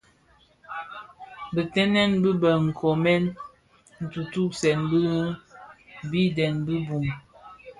Bitenmen bi bë nkomèn ntutusèn dhi biden bi bum,